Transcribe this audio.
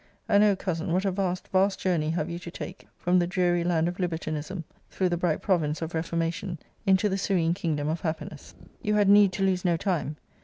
And, O Cousin, what a vast, vast journey have you to take from the dreary land of libertinism, through the bright province of reformation, into the serene kingdom of happiness! You had need to lose no time.